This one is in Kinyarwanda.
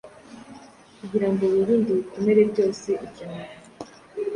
Kugirango wirinde ibikomere byose icyombo